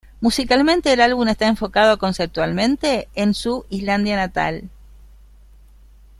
Musicalmente, el álbum está enfocado conceptualmente en su Islandia natal.